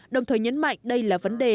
đồng thời nhấn mạnh đây là vấn đề